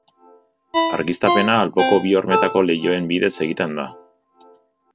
Argiztapena alboko bi hormetako leihoen bidez egiten da.